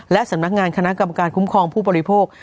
และสำนักงานคณะกรรมการคุ้มครองผู้บริโภค